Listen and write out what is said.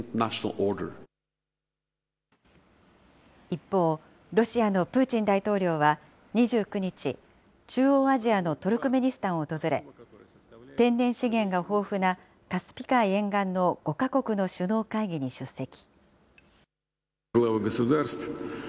一方、ロシアのプーチン大統領は２９日、中央アジアのトルクメニスタンを訪れ、天然資源が豊富なカスピ海沿岸の５か国の首脳会議に出席。